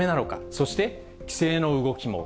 そして規制の動きも。